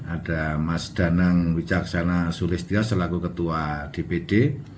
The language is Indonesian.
ada mas danang wijaksana sulistya selaku ketua dpd